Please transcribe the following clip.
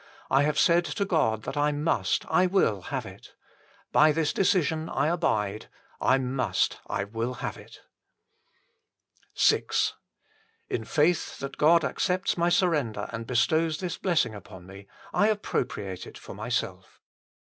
I have said to God that I must, I will have it. By this decision I abide. I must, I will have it." HOW IT IS OBTAINED BY US 87 VI In faith that God accepts my surrender and bestows this blessing upon me, I appropriate it for myself.